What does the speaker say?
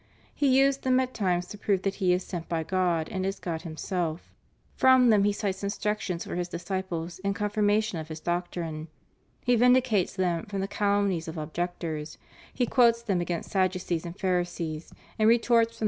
He uses them at times to prove that He is sent by God, and is God Himself. From them He cites instructions for His disciples and confirmation of His doctrine. He vindicates them from the calumnies of objectors; He quotes them against Sadducees and Phari sees and retorts from them upon Satan himself when he dares to tempt Him.